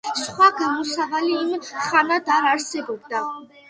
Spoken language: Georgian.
სხვა გამოსავალი იმ ხანად არ არსებობდა.